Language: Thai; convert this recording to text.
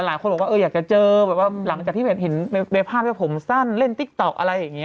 หลายคนบอกว่าอยากจะเจอแบบว่าหลังจากที่เห็นในภาพที่ผมสั้นเล่นติ๊กต๊อกอะไรอย่างนี้